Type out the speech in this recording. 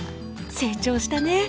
成長したね。